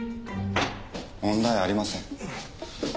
問題ありません。